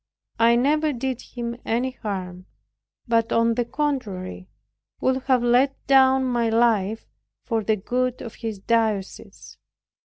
I never did him any harm, but on the contrary, would have laid down my life for the good of his diocese.